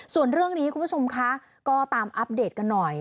ส่วนเรื่องนี้คุณผู้ชมคะก็ตามอัปเดตกันหน่อย